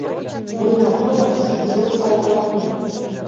Война годым шукыжок салтаквлӓ